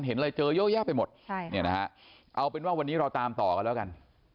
เห็นอะไรเจอเยอะแยะไปหมดใช่เนี่ยนะฮะเอาเป็นว่าวันนี้เราตามต่อกันแล้วกัน